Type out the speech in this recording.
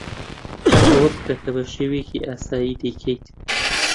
ھەر ئەوە بکە کە بە شێوەیەکی ئاسایی دەیکەیت.